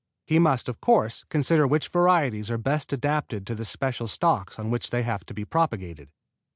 He must, of course, consider which varieties are best adapted to the special stocks on which they have to be propagated.